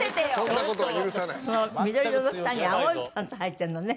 その緑色の下に青いパンツはいてるのね。